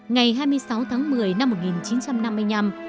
ngày hai mươi sáu tháng một mươi năm một nghìn chín trăm năm mươi năm